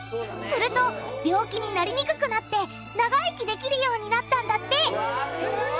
すると病気になりにくくなって長生きできるようになったんだってうわ